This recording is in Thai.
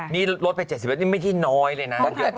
นี่ลดไป๗๐บาทนี่ไม่ได้ที่น้อยเลยนะ